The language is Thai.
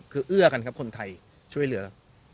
คือเอื้อกันครับคนไทยช่วยเหลือ